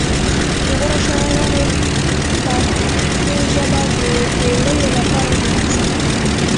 د غور شاعرانو پښتو ژبه د پیړیو لپاره ژوندۍ ساتلې ده